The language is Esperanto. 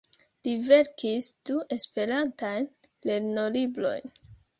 Li verkis du Esperantajn lernolibrojn.